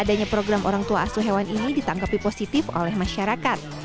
adanya program orang tua asuh hewan ini ditangkapi positif oleh masyarakat